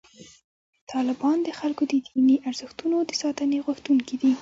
طالبان د خلکو د دیني ارزښتونو د ساتنې غوښتونکي دي.